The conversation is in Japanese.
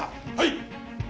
はい！